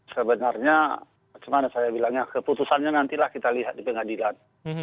sebenarnya bagaimana saya bilangnya keputusannya nantilah kita lihat di pengadilan